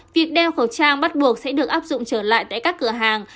việc đeo khẩu trang bắt buộc sẽ được áp dụng trở lại tại các cửa hàng